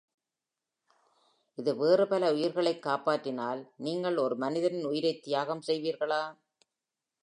இது வேறு பல உயிர்களைக் காப்பாற்றினால் நீங்கள் ஒரு மனிதனின் உயிரைத் தியாகம் செய்வீர்களா?